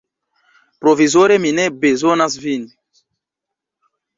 Provizore mi ne bezonas vin.